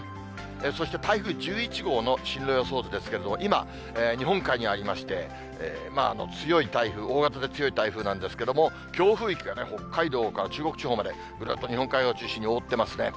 そして台風１１号の進路予想図ですけれども、今、日本海にありまして、強い台風、大型で強い台風なんですけれども、強風域が北海道から中国地方まで、ぐるっと日本海側を中心に覆ってますね。